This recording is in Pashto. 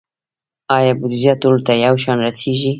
آیا بودیجه ټولو ته یو شان رسیږي؟